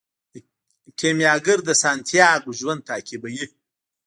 کیمیاګر د سانتیاګو ژوند تعقیبوي.